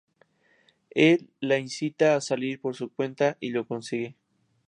Él le incita a salir por su cuenta y lo consigue.